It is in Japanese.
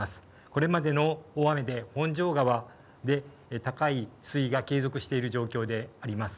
これまでの大雨で本庄川で高い水位が継続している状況であります。